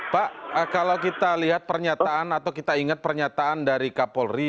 pak kalau kita lihat pernyataan atau kita ingat pernyataan dari kapolri